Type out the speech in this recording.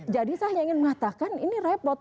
jadi saya ingin mengatakan ini repot